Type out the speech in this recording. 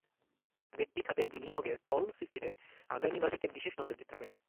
ব্যক্তি খাতের বিনিয়োগের ত্বরণ সৃষ্টিতে আগামী বাজেটে বিশেষ নজর দিতে হবে।